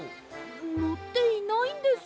のっていないんです。